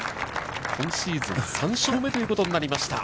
今シーズン、３勝目ということになりました。